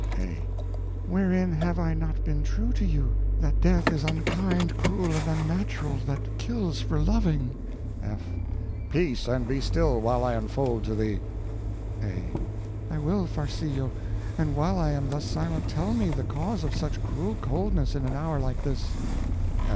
A. Wherein have I not been true to you? That death is unkind, cruel, and unnatural, that kills for living. F. Peace, and be still while I unfold to thee. A. I will, Farcillo, and while I am thus silent, tell me the cause of such cruel coldness in an hour like this.